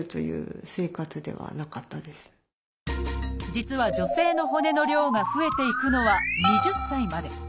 実は女性の骨の量が増えていくのは２０歳まで。